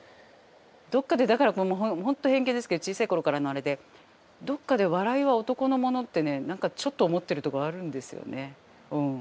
どっかでだから本当偏見ですけど小さい頃からのあれでどっかで笑いは男のものってね何かちょっと思ってるところあるんですよね。